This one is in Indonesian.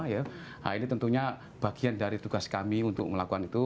nah ini tentunya bagian dari tugas kami untuk melakukan itu